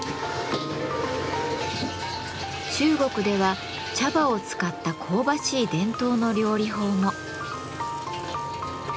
中国では茶葉を使った香ばしい伝統の料理法も。